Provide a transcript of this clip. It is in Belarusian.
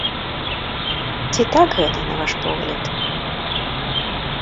Ці так гэта, на ваш погляд?